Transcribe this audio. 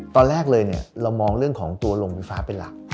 ตอนแรกเลยเรามองเรื่องของตัวลงไฟฟ้าเป็นหลัก